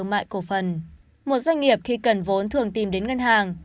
một doanh nghiệp khi cần vốn thường tìm đến ngân hàng